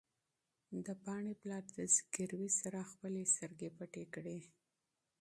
د پاڼې پلار د زګېروي سره خپلې سترګې پټې کړې.